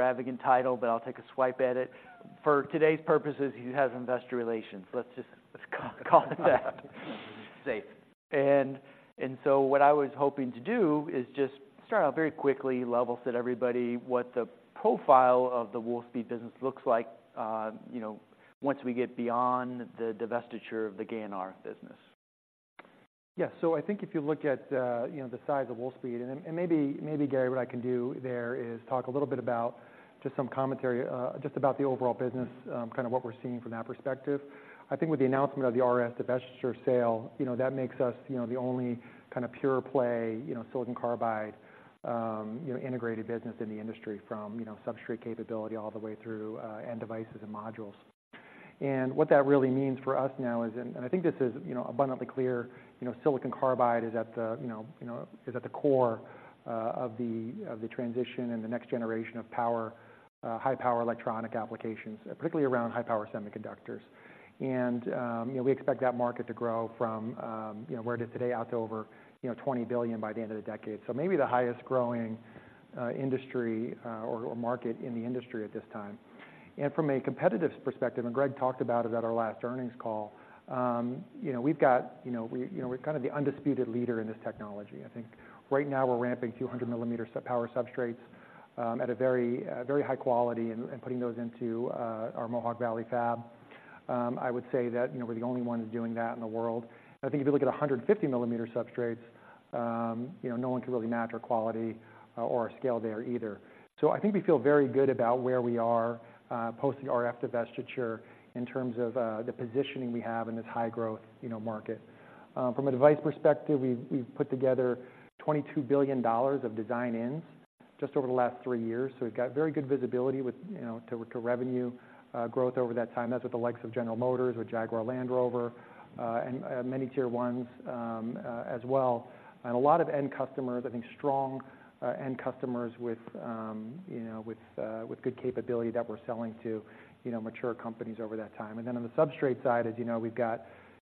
extravagant title, but I'll take a swipe at it. For today's purposes, you have investor relations. Let's just, let's call it that. Safe. And, and so what I was hoping to do is just start out very quickly, level set everybody, what the profile of the Wolfspeed business looks like, you know, once we get beyond the divestiture of the GaN RF business. Yeah. So I think if you look at, you know, the size of Wolfspeed, and, and maybe, maybe, Gary, what I can do there is talk a little bit about just some commentary, just about the overall business, kind of what we're seeing from that perspective. I think with the announcement of the RF divestiture sale, you know, that makes us, you know, the only kind of pure play, you know, silicon carbide, you know, integrated business in the industry from, you know, substrate capability all the way through, end devices and modules. And what that really means for us now is, I think this is, you know, abundantly clear, you know, silicon carbide is at the, you know, you know, is at the core of the transition and the next generation of power high power electronic applications, particularly around high power semiconductors. And you know, we expect that market to grow from you know, where it is today, out to over, you know, $20 billion by the end of the decade. So maybe the highest growing industry or market in the industry at this time. And from a competitive perspective, and Gregg talked about it at our last earnings call, you know, we've got, you know, we you know, we're kind of the undisputed leader in this technology. I think right now we're ramping 200mm power substrates at a very, very high quality and putting those into our Mohawk Valley fab. I would say that, you know, we're the only ones doing that in the world. I think if you look at 150mm substrates, you know, no one can really match our quality or our scale there either. So I think we feel very good about where we are post the RF divestiture in terms of the positioning we have in this high growth, you know, market. From a device perspective, we've put together $22 billion of design-ins just over the last three years, so we've got very good visibility with, you know, to revenue growth over that time. That's with the likes of General Motors or Jaguar Land Rover, and many Tier 1s, as well. And a lot of end customers, I think strong end customers with, you know, with, with good capability that we're selling to, you know, mature companies over that time. And then on the substrate side, as you know, we've got,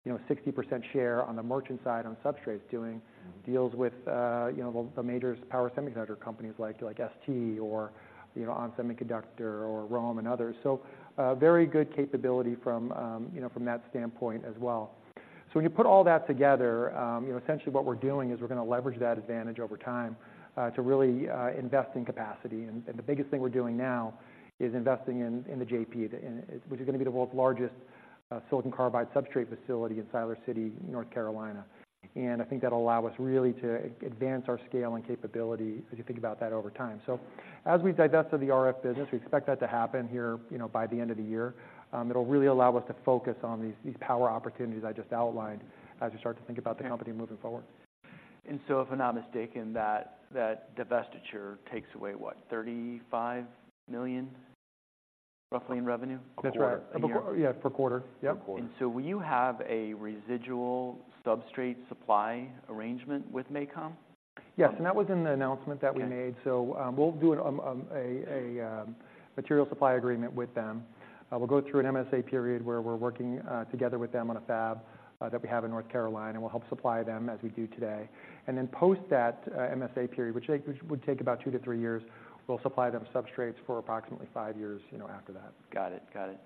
you know, 60% share on the merchant side, on substrates, doing deals with, you know, the major power semiconductor companies like ST or, you know, On Semiconductor or ROHM and others. So, very good capability from, you know, from that standpoint as well. So when you put all that together, you know, essentially what we're doing is we're going to leverage that advantage over time, to really invest in capacity. The biggest thing we're doing now is investing in the JP, which is going to be the world's largest silicon carbide substrate facility in Siler City, North Carolina. I think that'll allow us really to advance our scale and capability as you think about that over time. So as we've divested the RF business, we expect that to happen here, you know, by the end of the year. It'll really allow us to focus on these power opportunities I just outlined, as you start to think about the company moving forward. And so, if I'm not mistaken, that divestiture takes away, what? $35 million, roughly, in revenue? That's right. Per quarter. Yeah, per quarter. Yep. Per quarter. Will you have a residual substrate supply arrangement with MACOM? Yes, and that was in the announcement that we made. Okay. We'll do a material supply agreement with them. We'll go through an MSA period where we're working together with them on a fab that we have in North Carolina, and we'll help supply them as we do today. Then post that MSA period, which would take about two to three years, you know, after that. Got it. Got it.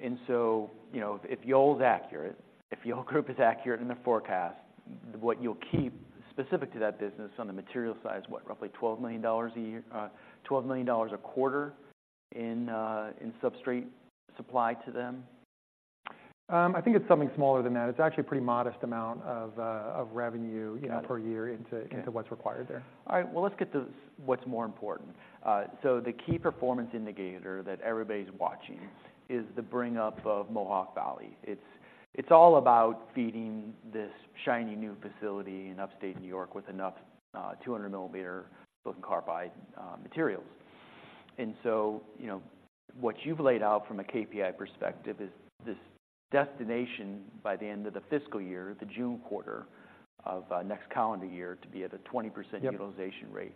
And so, you know, if the old is accurate, if the old group is accurate in the forecast, what you'll keep specific to that business on the material side is what? Roughly $12 million a year, $12 million a quarter in substrate supply to them? I think it's something smaller than that. It's actually a pretty modest amount of, of revenue- Yeah... per year into- Yeah... into what's required there. All right, well, let's get to what's more important. So the key performance indicator that everybody's watching is the bring up of Mohawk Valley. It's, it's all about feeding this shiny new facility in upstate New York with enough 200 millimeter silicon carbide materials. And so, you know, what you've laid out from a KPI perspective is this destination by the end of the fiscal year, the June quarter of next calendar year, to be at a 20%- Yep... utilization rate.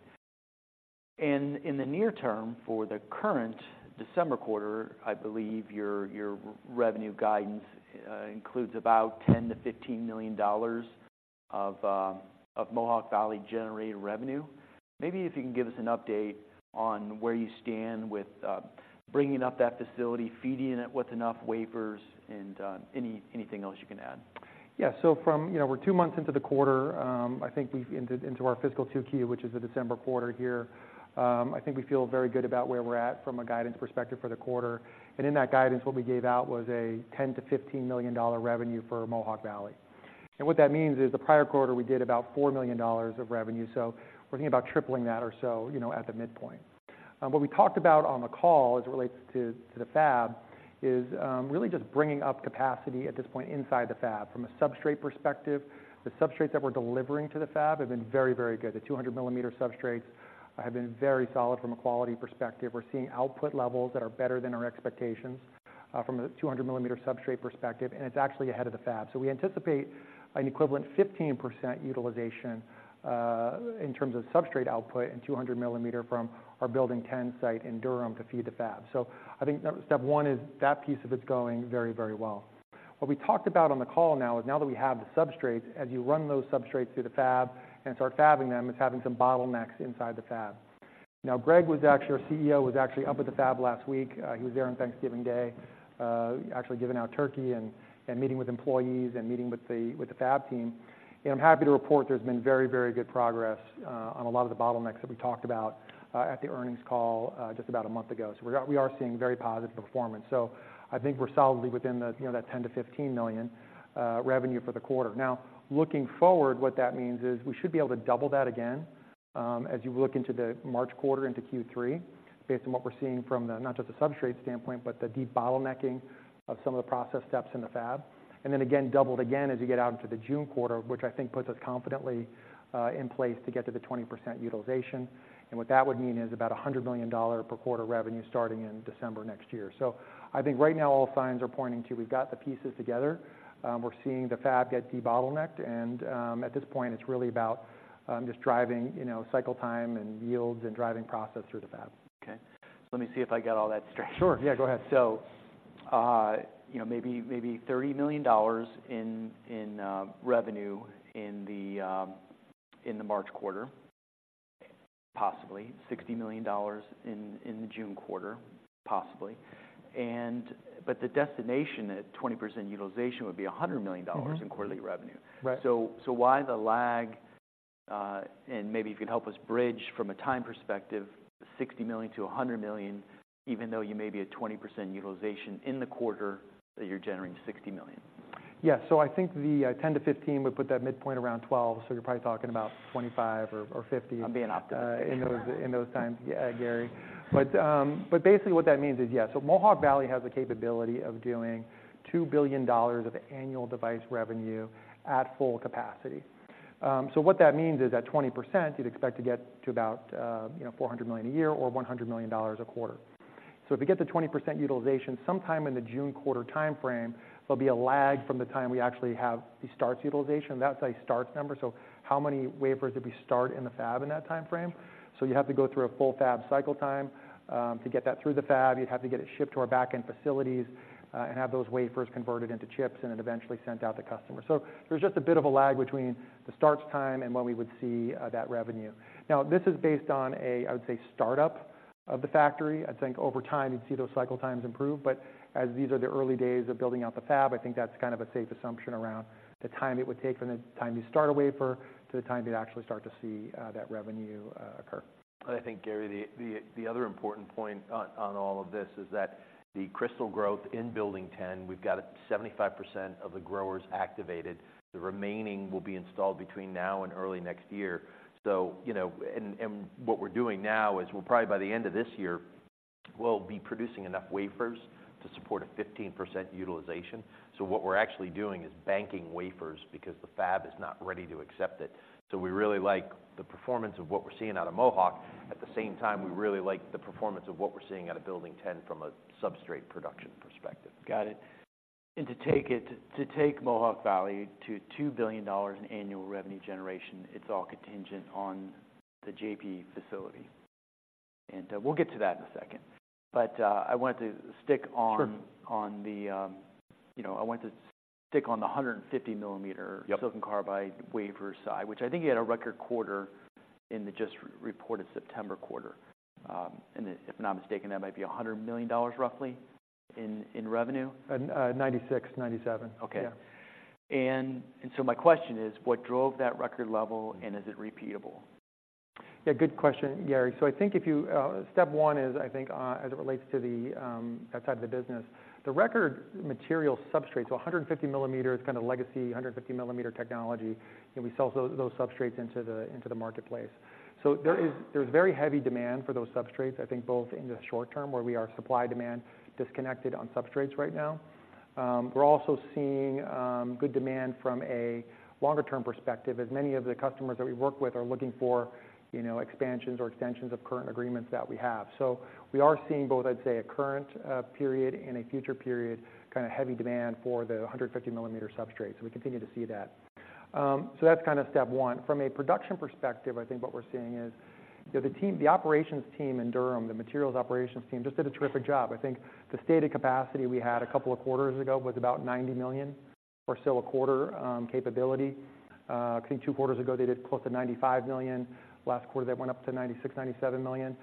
And in the near term, for the current December quarter, I believe your revenue guidance includes about $10-$15 million of Mohawk Valley-generated revenue. Maybe if you can give us an update on where you stand with bringing up that facility, feeding it with enough wafers, and anything else you can add. Yeah. So, you know, we're two months into the quarter. I think we've entered into our fiscal Q2, which is the December quarter here. I think we feel very good about where we're at from a guidance perspective for the quarter. And in that guidance, what we gave out was $10-$15 million revenue for Mohawk Valley. And what that means is, the prior quarter, we did about $4 million of revenue, so we're thinking about tripling that or so, you know, at the midpoint. What we talked about on the call, as it relates to the fab, is really just bringing up capacity at this point inside the fab. From a substrate perspective, the substrates that we're delivering to the fab have been very, very good. The 200 millimeter substrates have been very solid from a quality perspective. We're seeing output levels that are better than our expectations from the 200 millimeter substrate perspective, and it's actually ahead of the fab. So we anticipate an equivalent 15% utilization in terms of substrate output and 200 millimeter from our Building 10 site in Durham to feed the fab. So I think step one is that piece of it's going very, very well. What we talked about on the call now is, now that we have the substrates, as you run those substrates through the fab and start fabbing them, it's having some bottlenecks inside the fab. Now, Gregg, our CEO, was actually up at the fab last week. He was there on Thanksgiving Day, actually giving out turkey and meeting with employees and meeting with the fab team. And I'm happy to report there's been very, very good progress on a lot of the bottlenecks that we talked about at the earnings call just about a month ago. So we are seeing very positive performance. So I think we're solidly within the, you know, that $10-15 million revenue for the quarter. Now, looking forward, what that means is we should be able to double that again as you look into the March quarter into Q3, based on what we're seeing from the, not just the substrate standpoint, but the debottlenecking of some of the process steps in the fab. And then again, doubled again as you get out into the June quarter, which I think puts us confidently in place to get to the 20% utilization. And what that would mean is about $100 million per quarter revenue starting in December next year. So I think right now, all signs are pointing to, we've got the pieces together. We're seeing the fab get debottlenecked, and at this point, it's really about just driving, you know, cycle time and yields and driving process through the fab. Okay. Let me see if I got all that straight. Sure. Yeah, go ahead. So, you know, maybe $30 million in revenue in the March quarter, possibly $60 million in the June quarter, possibly. And but the destination at 20% utilization would be $100 million- in quarterly revenue. Right. Why the lag? And maybe you could help us bridge from a time perspective, $60 million-$100 million, even though you may be at 20% utilization in the quarter, that you're generating $60 million. Yeah. So I think the 10-15, we put that midpoint around 12, so you're probably talking about 25 or 50- I'm being optimistic. In those times. Yeah, Gary. But basically, what that means is, yeah, so Mohawk Valley has the capability of doing $2 billion of annual device revenue at full capacity. So what that means is, at 20%, you'd expect to get to about, you know, $400 million a year or $100 million a quarter. So if you get the 20% utilization sometime in the June quarter timeframe, there'll be a lag from the time we actually have the starts utilization. That's a starts number, so how many wafers did we start in the fab in that timeframe? So you have to go through a full fab cycle time, to get that through the fab. You'd have to get it shipped to our back-end facilities, and have those wafers converted into chips and then eventually sent out to customers. So there's just a bit of a lag between the starts time and when we would see, that revenue. Now, this is based on a, I would say, startup of the factory. I think over time, you'd see those cycle times improve, but as these are the early days of building out the fab, I think that's kind of a safe assumption around the time it would take from the time you start a wafer to the time you'd actually start to see, that revenue, occur. I think, Gary, the other important point on all of this is that the crystal growth in Building 10, we've got 75% of the growers activated. The remaining will be installed between now and early next year. So, you know, and what we're doing now is we're probably by the end of this year, we'll be producing enough wafers to support a 15% utilization. So what we're actually doing is banking wafers because the fab is not ready to accept it. So we really like the performance of what we're seeing out of Mohawk. At the same time, we really like the performance of what we're seeing out of Building 10 from a substrate production perspective. Got it. And to take Mohawk Valley to $2 billion in annual revenue generation, it's all contingent on the JP facility, and we'll get to that in a second. But I wanted to stick on- Sure... on the, you know, I wanted to stick on the 150 millimeter- Yep Silicon carbide wafer side, which I think you had a record quarter in the just reported September quarter. And if I'm not mistaken, that might be $100 million, roughly, in revenue? $96, $97. Okay. Yeah. My question is, what drove that record level, and is it repeatable? Yeah, good question, Gary. So I think if you, Step one is, I think, as it relates to the, that side of the business, the raw material substrate, so 150mm is kind of legacy, 150mm technology, and we sell those, those substrates into the, into the marketplace. So there is, there's very heavy demand for those substrates, I think, both in the short term, where we are supply-demand disconnected on substrates right now. We're also seeing, good demand from a longer-term perspective, as many of the customers that we work with are looking for, you know, expansions or extensions of current agreements that we have. So we are seeing both, I'd say, a current, period and a future period, kind of, heavy demand for the 150mm substrates. We continue to see that. So that's kind of step one. From a production perspective, I think what we're seeing is, you know, the team, the operations team in Durham, the materials operations team, just did a terrific job. I think the stated capacity we had a couple of quarters ago was about $90 million or so a quarter, capability. I think two quarters ago, they did close to $95 million. Last quarter, they went up to $96-$97 million.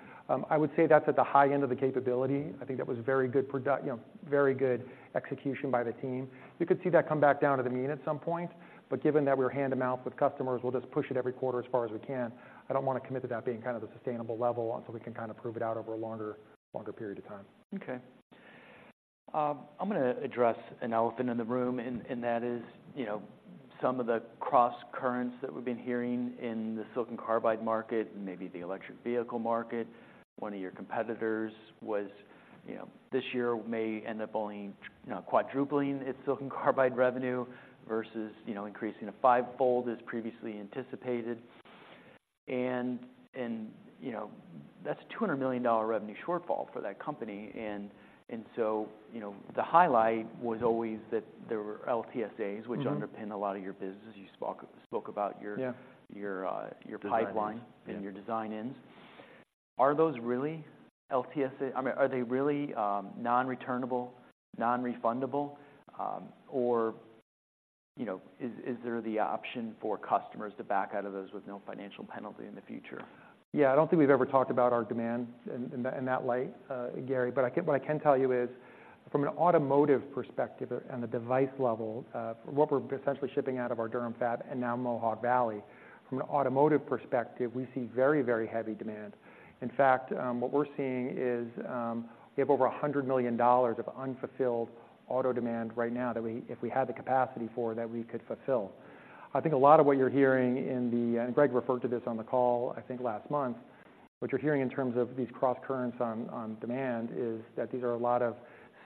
I would say that's at the high end of the capability. I think that was very good product. You know, very good execution by the team. You could see that come back down to the mean at some point, but given that we're hand-to-mouth with customers, we'll just push it every quarter as far as we can. I don't want to commit to that being kind of the sustainable level until we can kind of prove it out over a longer, longer period of time. Okay. I'm gonna address an elephant in the room, and, and that is, you know, some of the crosscurrents that we've been hearing in the silicon carbide market and maybe the electric vehicle market. One of your competitors was, you know, this year may end up only, you know, quadrupling its silicon carbide revenue versus, you know, increasing it fivefold, as previously anticipated. And, and, you know, that's a $200 million revenue shortfall for that company. And, and so, you know, the highlight was always that there were LTSAs-... which underpin a lot of your business. You spoke about your- Yeah... your, your pipeline- Design-ins.... and your design-ins.... Are those really LTSA? I mean, are they really, non-returnable, non-refundable, or, you know, is there the option for customers to back out of those with no financial penalty in the future? Yeah, I don't think we've ever talked about our demand in that light, Gary, but I get what I can tell you is, from an automotive perspective and the device level, what we're essentially shipping out of our Durham fab and now Mohawk Valley, from an automotive perspective, we see very, very heavy demand. In fact, what we're seeing is, we have over $100 million of unfulfilled auto demand right now that we if we had the capacity for, that we could fulfill. I think a lot of what you're hearing in the, and Gregg referred to this on the call, I think last month, what you're hearing in terms of these cross currents on, on demand is that these are a lot of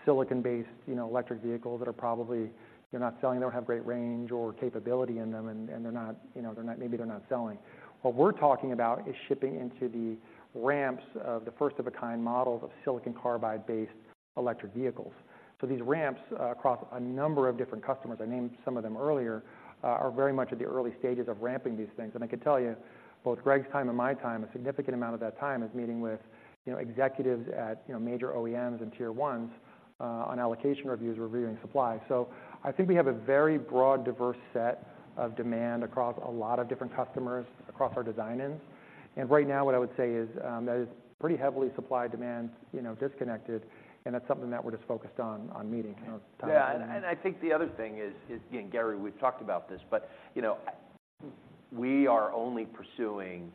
silicon-based, you know, electric vehicles that are probably, they're not selling, they don't have great range or capability in them, and, and they're not, you know, they're not, maybe they're not selling. What we're talking about is shipping into the ramps of the first of a kind models of silicon carbide-based electric vehicles. So these ramps, across a number of different customers, I named some of them earlier, are very much at the early stages of ramping these things. I can tell you, both Gregg's time and my time, a significant amount of that time is meeting with, you know, executives at, you know, major OEMs and Tier 1s, on allocation reviews, reviewing supply. So I think we have a very broad, diverse set of demand across a lot of different customers, across our design-ins. And right now, what I would say is, that is pretty heavily supply, demand, you know, disconnected, and that's something that we're just focused on, on meeting. Tyler? Yeah, and I think the other thing is, and Gary, we've talked about this, but, you know, we are only pursuing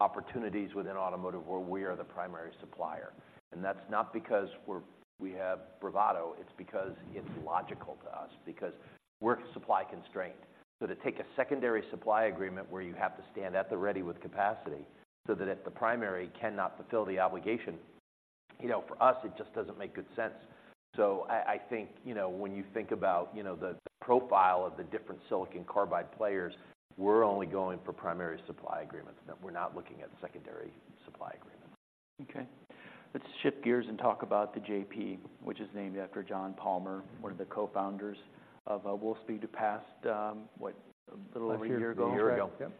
opportunities within automotive where we are the primary supplier. And that's not because we're- we have bravado, it's because it's logical to us, because we're supply constrained. So to take a secondary supply agreement where you have to stand at the ready with capacity, so that if the primary cannot fulfill the obligation, you know, for us, it just doesn't make good sense. So I think, you know, when you think about, you know, the profile of the different silicon carbide players, we're only going for primary supply agreements. We're not looking at secondary supply agreements. Okay. Let's shift gears and talk about the JP, which is named after John Palmour, one of the co-founders of Wolfspeed, who passed what, a little over a year ago? A year ago. Yep.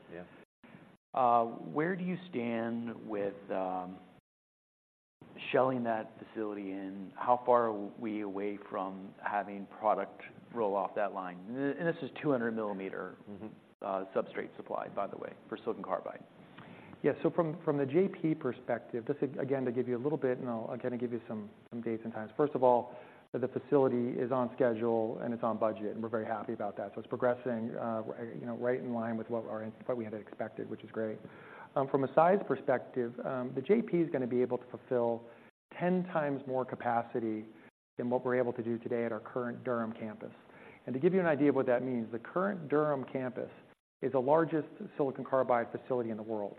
Yeah. Where do you stand with shelling that facility, and how far are we away from having product roll off that line? And this is 200 mm Substrate supply, by the way, for silicon carbide. Yeah. So from the JP perspective, this is, again, to give you a little bit, and I'll again give you some dates and times. First of all, the facility is on schedule, and it's on budget, and we're very happy about that. So it's progressing, you know, right in line with what our what we had expected, which is great. From a size perspective, the JP is gonna be able to fulfill 10 times more capacity than what we're able to do today at our current Durham campus. And to give you an idea of what that means, the current Durham campus is the largest silicon carbide facility in the world.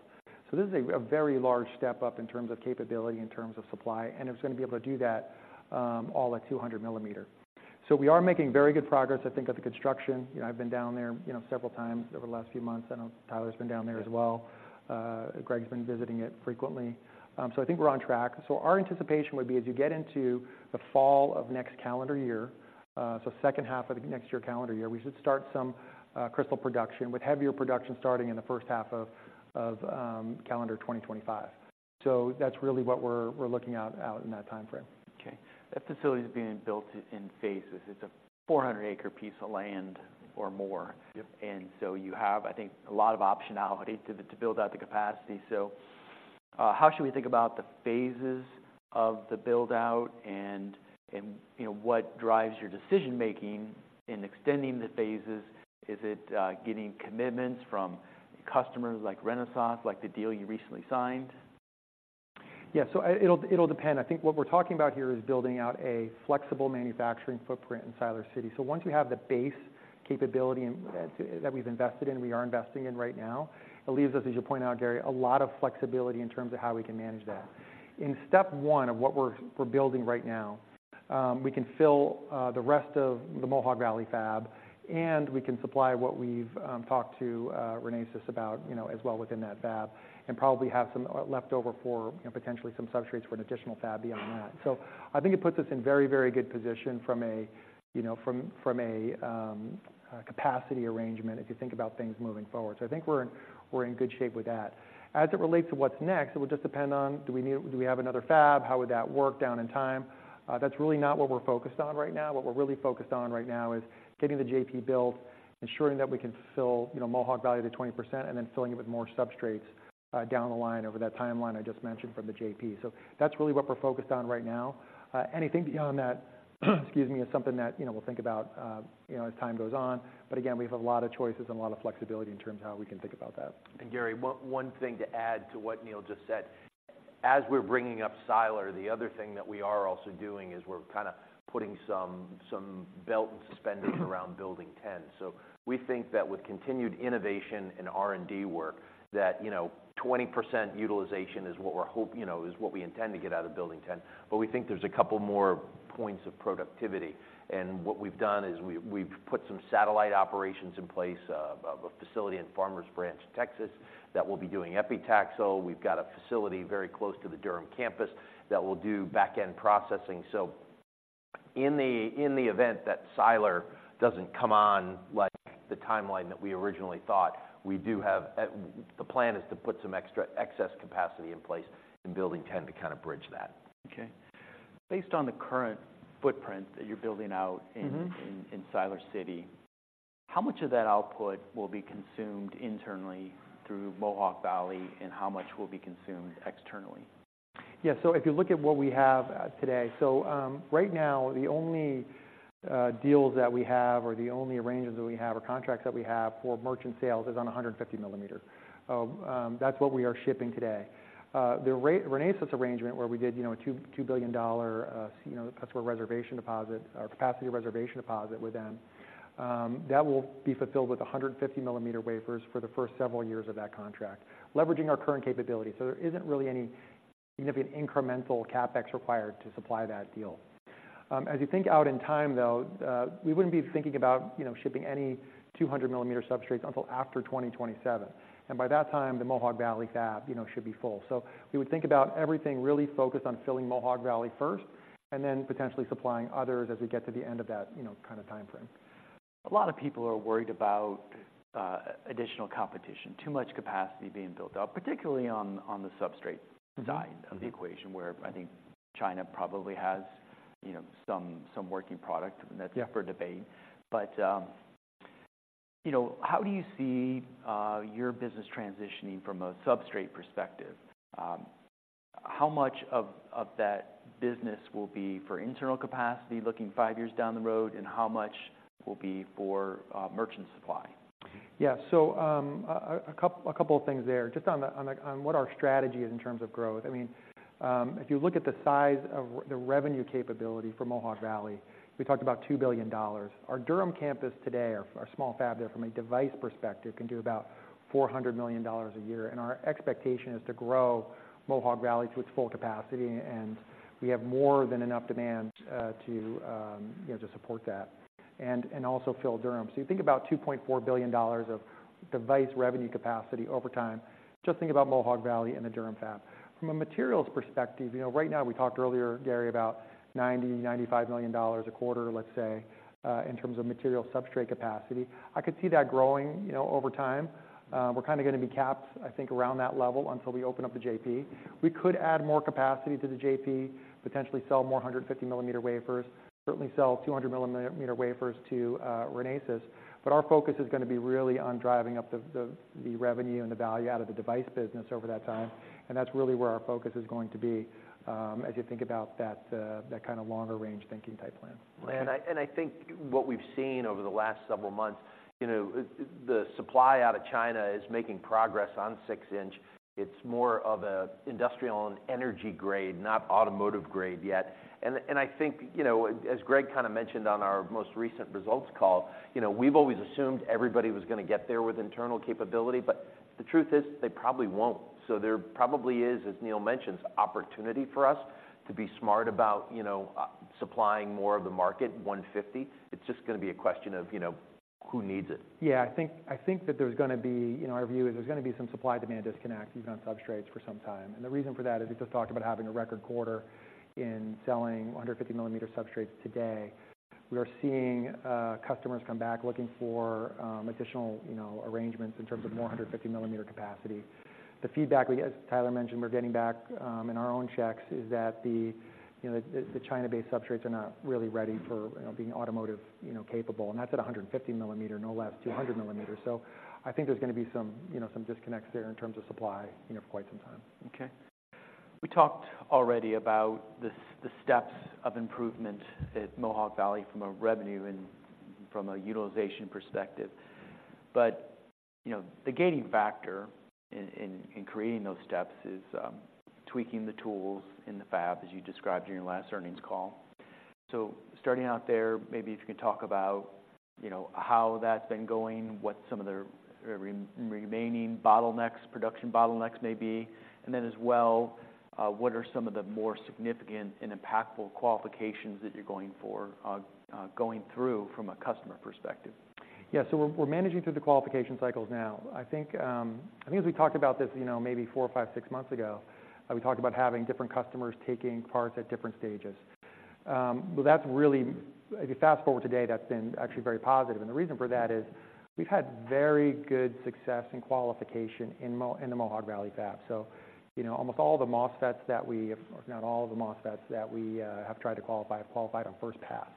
So this is a very large step up in terms of capability, in terms of supply, and it's gonna be able to do that, all at 200 mm. So we are making very good progress, I think, at the construction. You know, I've been down there, you know, several times over the last few months. I know Tyler's been down there as well. Gregg's been visiting it frequently. So I think we're on track. So our anticipation would be, as you get into the fall of next calendar year, so second half of the next year, calendar year, we should start some crystal production, with heavier production starting in the first half of calendar 2025. So that's really what we're looking at in that time frame. Okay. That facility is being built in phases. It's a 400-acre piece of land or more. Yep. So you have, I think, a lot of optionality to build out the capacity. So, how should we think about the phases of the build-out and, you know, what drives your decision-making in extending the phases? Is it getting commitments from customers like Renesas, like the deal you recently signed? Yeah. So it'll depend. I think what we're talking about here is building out a flexible manufacturing footprint in Siler City. So once we have the base capability that we've invested in, we are investing in right now, it leaves us, as you pointed out, Gary, a lot of flexibility in terms of how we can manage that. In step one of what we're building right now, we can fill the rest of the Mohawk Valley fab, and we can supply what we've talked to Renesas about, you know, as well within that fab, and probably have some left over for, you know, potentially some substrates for an additional fab beyond that. So I think it puts us in very, very good position from a, you know, from a capacity arrangement, if you think about things moving forward. So I think we're in good shape with that. As it relates to what's next, it will just depend on do we need - do we have another fab? How would that work down in time? That's really not what we're focused on right now. What we're really focused on right now is getting the JP built, ensuring that we can fill, you know, Mohawk Valley to 20%, and then filling it with more substrates down the line over that timeline I just mentioned from the JP. So that's really what we're focused on right now. Anything beyond that, excuse me, is something that, you know, we'll think about, you know, as time goes on. But again, we have a lot of choices and a lot of flexibility in terms of how we can think about that. And Gary, one thing to add to what Neill just said, as we're bringing up Siler, the other thing that we are also doing is we're kind of putting some belt and suspenders around Building 10. So we think that with continued innovation and R&D work, that, you know, 20% utilization is what we're hope-- you know, is what we intend to get out of Building 10. But we think there's a couple more points of productivity, and what we've done is we, we've put some satellite operations in place, of a facility in Farmers Branch, Texas, that will be doing epitaxy. We've got a facility very close to the Durham campus that will do back-end processing. So-... in the event that Siler doesn't come on, like, the timeline that we originally thought, we do have the plan is to put some extra excess capacity in place in Building 10 to kind of bridge that. Okay. Based on the current footprint that you're building out- Mm-hmm. In Siler City, how much of that output will be consumed internally through Mohawk Valley, and how much will be consumed externally? Yeah. So if you look at what we have today, right now, the only deals that we have, or the only arrangements that we have, or contracts that we have for merchant sales is on 150 millimeter. That's what we are shipping today. The Renesas arrangement, where we did, you know, a $2 billion, you know, that's a reservation deposit or capacity reservation deposit with them, that will be fulfilled with 150 millimeter wafers for the first several years of that contract, leveraging our current capability. So there isn't really any significant incremental CapEx required to supply that deal. As you think out in time, though, we wouldn't be thinking about, you know, shipping any 200 millimeter substrates until after 2027. By that time, the Mohawk Valley fab, you know, should be full. We would think about everything really focused on filling Mohawk Valley first, and then potentially supplying others as we get to the end of that, you know, kind of time frame. A lot of people are worried about additional competition, too much capacity being built up, particularly on the substrate side- of the equation, where I think China probably has, you know, some, some working product. Yeah. That's up for debate. You know, how do you see your business transitioning from a substrate perspective? How much of that business will be for internal capacity, looking five years down the road, and how much will be for merchant supply? Yeah. So, a couple of things there. Just on what our strategy is in terms of growth. I mean, if you look at the size of the revenue capability for Mohawk Valley, we talked about $2 billion. Our Durham campus today, our small fab there, from a device perspective, can do about $400 million a year, and our expectation is to grow Mohawk Valley to its full capacity, and we have more than enough demand to you know, to support that and also fill Durham. So you think about $2.4 billion of device revenue capacity over time, just think about Mohawk Valley and the Durham fab. From a materials perspective, you know, right now, we talked earlier, Gary, about $90-$95 million a quarter, let's say, in terms of material substrate capacity. I could see that growing, you know, over time. We're kind of gonna be capped, I think, around that level until we open up the JP. We could add more capacity to the JP, potentially sell more 150 millimeter wafers, certainly sell 200 millimeter wafers to, Renesas, but our focus is gonna be really on driving up the, the, the revenue and the value out of the device business over that time. And that's really where our focus is going to be, as you think about that, that kind of longer-range thinking type plan. I think what we've seen over the last several months, you know, the supply out of China is making progress on six-inch. It's more of a industrial and energy grade, not automotive grade yet. I think, you know, as Gregg kind of mentioned on our most recent results call, you know, we've always assumed everybody was gonna get there with internal capability, but the truth is, they probably won't. So there probably is, as Neil mentions, opportunity for us to be smart about, you know, supplying more of the market, 150. It's just gonna be a question of, you know, who needs it? Yeah. I think that there's gonna be... You know, our view is there's gonna be some supply-demand disconnect, even on substrates, for some time. The reason for that is we just talked about having a record quarter in selling 150 millimeter substrates today. We are seeing customers come back looking for additional, you know, arrangements in terms of more 150 millimeter capacity. The feedback we get, as Tyler mentioned, we're getting back in our own checks, is that the, you know, the China-based substrates are not really ready for, you know, being automotive, you know, capable, and that's at a 150 millimeter, no less 200 millimeters. So I think there's gonna be some, you know, some disconnects there in terms of supply, you know, for quite some time. Okay. We talked already about the steps of improvement at Mohawk Valley from a revenue and from a utilization perspective. But, you know, the gating factor in creating those steps is tweaking the tools in the fab, as you described in your last earnings call. So starting out there, maybe if you could talk about, you know, how that's been going, what some of the remaining bottlenecks, production bottlenecks may be, and then as well, what are some of the more significant and impactful qualifications that you're going for, going through from a customer perspective? Yeah. So we're managing through the qualification cycles now. I think I think as we talked about this, you know, maybe 4, 5, 6 months ago, we talked about having different customers taking parts at different stages. Well, that's really... If you fast-forward today, that's been actually very positive, and the reason for that is we've had very good success in qualification in the Mohawk Valley fab. So, you know, almost all the MOSFETs that we, if not all of the MOSFETs that we have tried to qualify, have qualified on first pass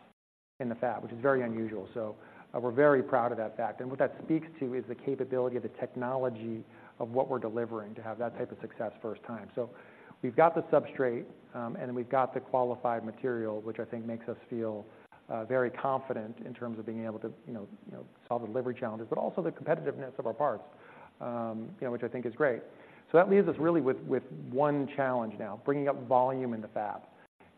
in the fab, which is very unusual. So, we're very proud of that fact. And what that speaks to is the capability of the technology of what we're delivering, to have that type of success first time. So we've got the substrate, and we've got the qualified material, which I think makes us feel very confident in terms of being able to, you know, solve the delivery challenges, but also the competitiveness of our parts, you know, which I think is great. So that leaves us really with one challenge now: bringing up volume in the fab.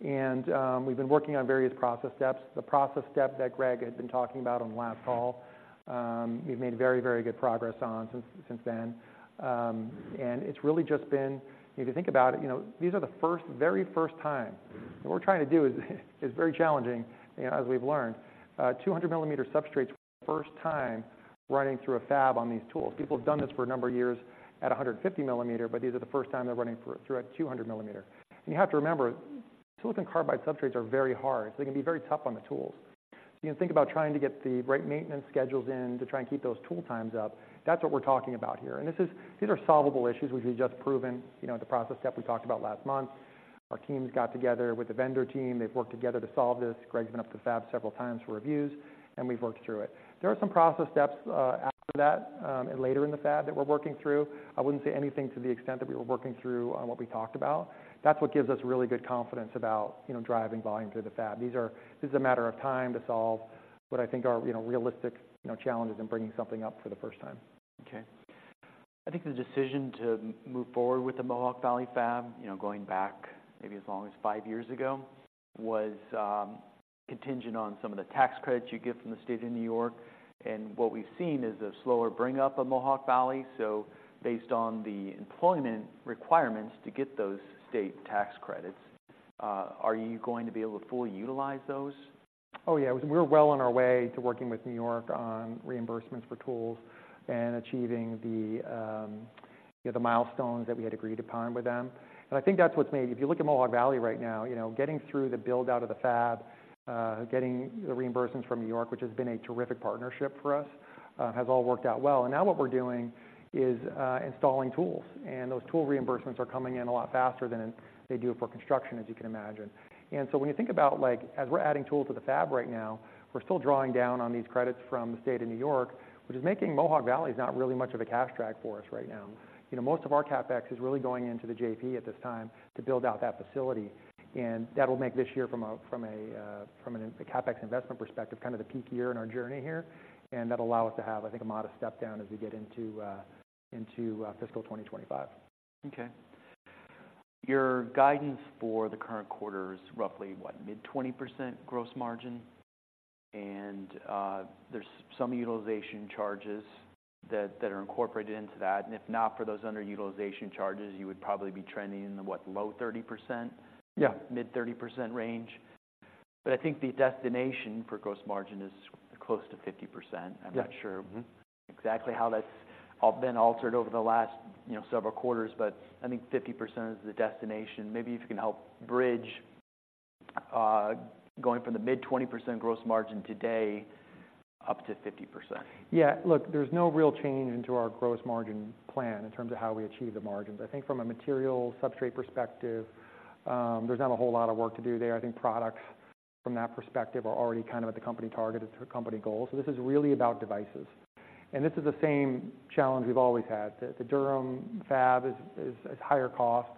And we've been working on various process steps. The process step that Gregg had been talking about on the last call, we've made very, very good progress on since then. And it's really just been... If you think about it, you know, these are the first, very first time. What we're trying to do is very challenging, you know, as we've learned. 200 millimeter substrates, first time running through a fab on these tools. People have done this for a number of years at 150 millimeter, but these are the first time they're running through a 200 millimeter. You have to remember, silicon carbide substrates are very hard, so they can be very tough on the tools... You can think about trying to get the right maintenance schedules in to try and keep those tool times up. That's what we're talking about here. This is, these are solvable issues, which we've just proven, you know, at the process step we talked about last month. Our teams got together with the vendor team. They've worked together to solve this. Gregg's been up to fab several times for reviews, and we've worked through it. There are some process steps after that, and later in the fab that we're working through. I wouldn't say anything to the extent that we were working through on what we talked about. That's what gives us really good confidence about, you know, driving volume through the fab. This is a matter of time to solve what I think are, you know, realistic, you know, challenges in bringing something up for the first time. Okay. I think the decision to move forward with the Mohawk Valley fab, you know, going back maybe as long as five years ago, was contingent on some of the tax credits you get from the state of New York. And what we've seen is a slower bring up of Mohawk Valley. So based on the employment requirements to get those state tax credits, are you going to be able to fully utilize those? Oh, yeah. We're well on our way to working with New York on reimbursements for tools and achieving the, you know, the milestones that we had agreed upon with them. And I think that's what's made it. If you look at Mohawk Valley right now, you know, getting through the build-out of the fab, getting the reimbursements from New York, which has been a terrific partnership for us, has all worked out well. And now what we're doing is, installing tools, and those tool reimbursements are coming in a lot faster than they do for construction, as you can imagine. And so when you think about, like, as we're adding tools to the fab right now, we're still drawing down on these credits from the state of New York, which is making Mohawk Valley is not really much of a cash drag for us right now. You know, most of our CapEx is really going into the JP at this time to build out that facility, and that'll make this year from a CapEx investment perspective kind of the peak year in our journey here. And that'll allow us to have, I think, a modest step down as we get into fiscal 2025. Okay. Your guidance for the current quarter is roughly, what? Mid-20% gross margin, and there's some utilization charges that are incorporated into that. And if not for those underutilization charges, you would probably be trending in the, what, low 30%? Yeah. Mid 30% range. I think the destination for gross margin is close to 50%. Yeah. I'm not sure exactly how that's been altered over the last, you know, several quarters, but I think 50% is the destination. Maybe if you can help bridge going from the mid-20% gross margin today up to 50%. Yeah. Look, there's no real change into our gross margin plan in terms of how we achieve the margins. I think from a material substrate perspective, there's not a whole lot of work to do there. I think products from that perspective are already kind of at the company target, it's the company goal. So this is really about devices, and this is the same challenge we've always had. The Durham fab is higher cost.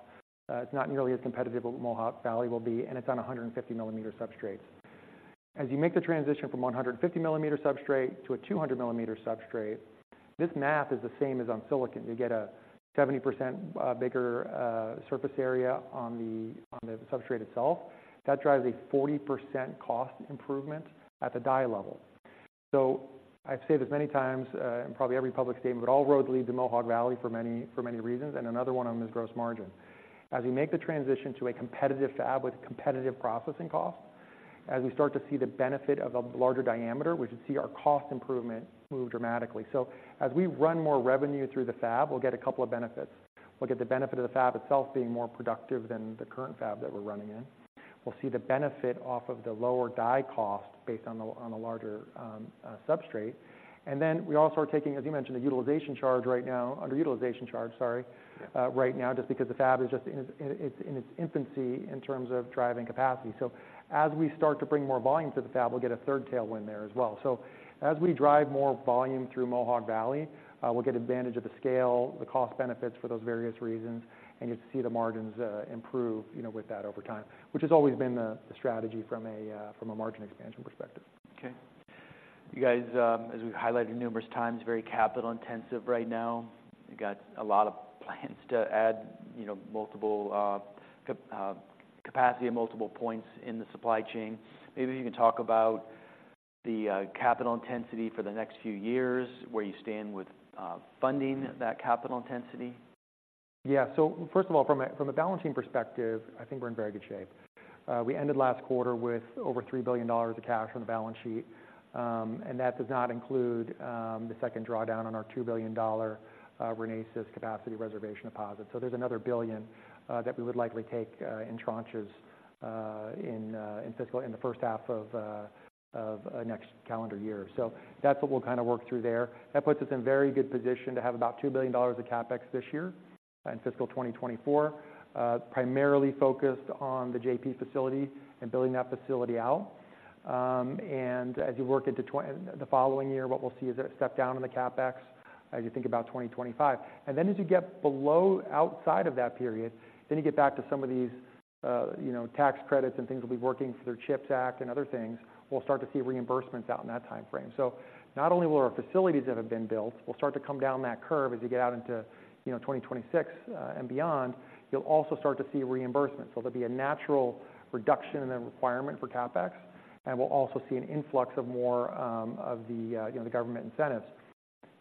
It's not nearly as competitive as Mohawk Valley will be, and it's on 150 millimeter substrates. As you make the transition from 150 millimeter substrate to a 200 millimeter substrate, this math is the same as on silicon. You get a 70% bigger surface area on the substrate itself. That drives a 40% cost improvement at the die level. So I've said this many times, in probably every public statement, but all roads lead to Mohawk Valley for many, for many reasons, and another one of them is gross margin. As we make the transition to a competitive fab with competitive processing costs, as we start to see the benefit of a larger diameter, we should see our cost improvement move dramatically. So as we run more revenue through the fab, we'll get a couple of benefits. We'll get the benefit of the fab itself being more productive than the current fab that we're running in. We'll see the benefit off of the lower die cost based on the, on the larger, substrate. And then we also are taking, as you mentioned, the utilization charge right now—underutilization charge, sorry, right now, just because the fab is just in its infancy in terms of driving capacity. So as we start to bring more volume to the fab, we'll get a third tailwind there as well. So as we drive more volume through Mohawk Valley, we'll get advantage of the scale, the cost benefits for those various reasons, and you'll see the margins improve, you know, with that over time, which has always been the strategy from a margin expansion perspective. Okay. You guys, as we've highlighted numerous times, very capital intensive right now. You've got a lot of plans to add, you know, multiple, capacity of multiple points in the supply chain. Maybe if you can talk about the capital intensity for the next few years, where you stand with funding that capital intensity. Yeah. So first of all, from a balance sheet perspective, I think we're in very good shape. We ended last quarter with over $3 billion of cash on the balance sheet, and that does not include the second drawdown on our $2 billion Renesas capacity reservation deposit. So there's another $1 billion that we would likely take in tranches in the first half of next calendar year. So that's what we'll kind of work through there. That puts us in very good position to have about $2 billion of CapEx this year, in fiscal 2024, primarily focused on the JP facility and building that facility out. And as you work into twen... The following year, what we'll see is a step down in the CapEx as you think about 2025. And then as you get below, outside of that period, then you get back to some of these, you know, tax credits and things we'll be working through the CHIPS Act and other things. We'll start to see reimbursements out in that timeframe. So not only will our facilities that have been built, we'll start to come down that curve as you get out into, you know, 2026, and beyond. You'll also start to see reimbursements. So there'll be a natural reduction in the requirement for CapEx, and we'll also see an influx of more, of the, you know, the government incentives.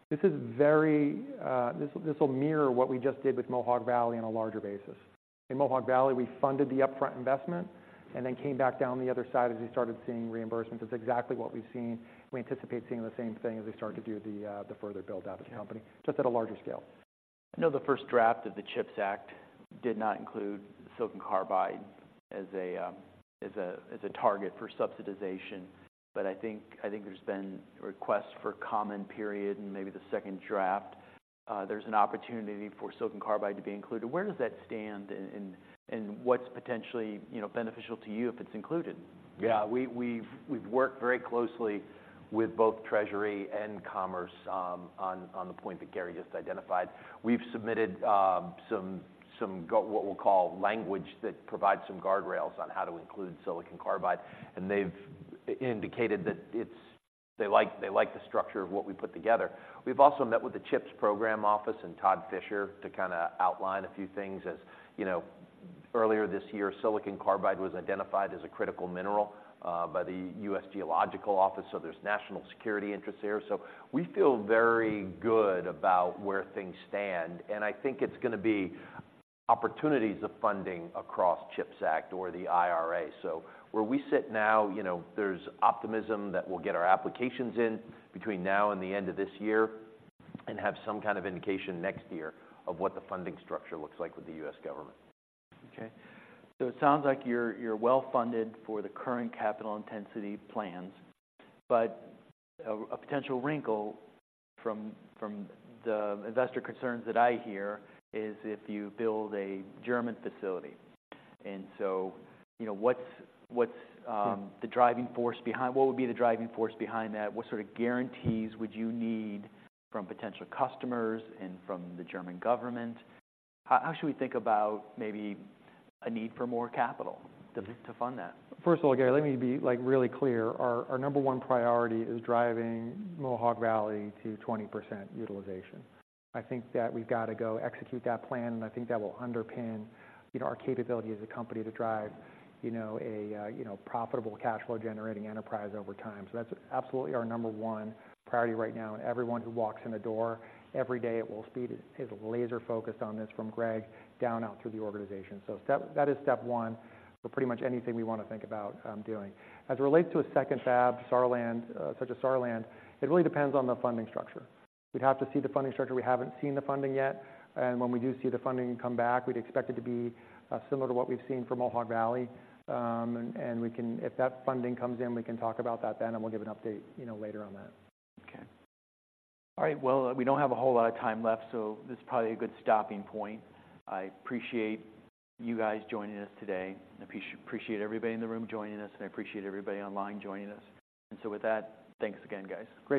This is very, this, this will mirror what we just did with Mohawk Valley on a larger basis. In Mohawk Valley, we funded the upfront investment and then came back down the other side as we started seeing reimbursements. That's exactly what we've seen. We anticipate seeing the same thing as we start to do the, the further build out of the company, just at a larger scale.... I know the first draft of the CHIPS Act did not include silicon carbide as a, as a, as a target for subsidization, but I think, I think there's been requests for comment period, and maybe the second draft, there's an opportunity for silicon carbide to be included. Where does that stand, and, and, and what's potentially, you know, beneficial to you if it's included? Yeah, we've worked very closely with both Treasury and Commerce, on the point that Gary just identified. We've submitted some language that provides some guardrails on how to include silicon carbide, and they've indicated that it's they like the structure of what we put together. We've also met with the CHIPS Program Office and Todd Fisher to kinda outline a few things. As you know, earlier this year, silicon carbide was identified as a critical mineral, by the U.S. Geological Survey, so there's national security interests here. So we feel very good about where things stand, and I think it's gonna be opportunities of funding across CHIPS Act or the IRA. So where we sit now, you know, there's optimism that we'll get our applications in between now and the end of this year and have some kind of indication next year of what the funding structure looks like with the U.S. government. Okay, so it sounds like you're well-funded for the current capital intensity plans, but a potential wrinkle from the investor concerns that I hear is if you build a German facility. So, you know, what's the driving force behind that? What would be the driving force behind that? What sort of guarantees would you need from potential customers and from the German government? How should we think about maybe a need for more capital to fund that? First of all, Gary, let me be, like, really clear. Our number one priority is driving Mohawk Valley to 20% utilization. I think that we've got to go execute that plan, and I think that will underpin, you know, our capability as a company to drive, you know, a profitable cash flow generating enterprise over time. So that's absolutely our number one priority right now, and everyone who walks in the door every day at Wolfspeed is laser focused on this, from Gregg down out through the organization. So step—that is step one for pretty much anything we want to think about doing. As it relates to a second fab, Saarland, such as Saarland, it really depends on the funding structure. We'd have to see the funding structure. We haven't seen the funding yet, and when we do see the funding come back, we'd expect it to be similar to what we've seen for Mohawk Valley. If that funding comes in, we can talk about that then, and we'll give an update, you know, later on that. Okay. All right, well, we don't have a whole lot of time left, so this is probably a good stopping point. I appreciate you guys joining us today. I appreciate everybody in the room joining us, and I appreciate everybody online joining us. And so with that, thanks again, guys. Great-